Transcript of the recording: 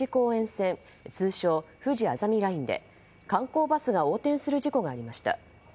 線通称ふじあざみラインで観光バスが横転する事故がありました。